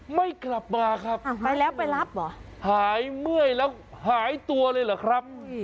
ไม่กลับมาครับไปแล้วไปรับเหรอหายเมื่อยแล้วหายตัวเลยเหรอครับ